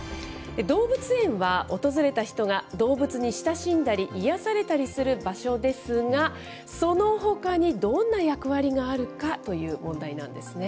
動物園は訪れた人が動物に親しんだり、癒やされたりする場所ですが、そのほかにどんな役割があるかという問題なんですね。